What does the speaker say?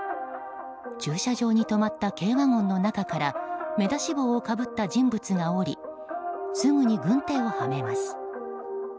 駐車場に止まった軽ワゴンの中から目出し帽をかぶった人物が降りすぐに軍手をはめます。